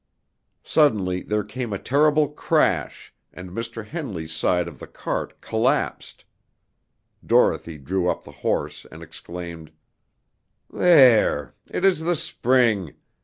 Suddenly there was a terrible crash, and Mr. Henley's side of the cart collapsed. Dorothy drew up the horse and exclaimed: "There! It is the spring.